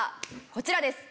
こちらです。